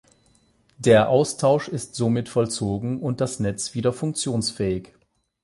Der Austausch ist somit vollzogen und das Netz wieder funktionsfähig.